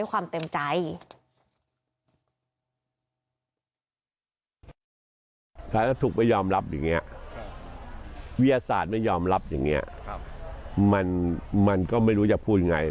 วิทยาศาสตร์ไม่ยอมรับอย่างเงี้ยครับมันมันก็ไม่รู้จะพูดยังไง